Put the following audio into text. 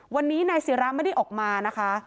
วันนี้นายศิราไม่ได้ออกมานะคะ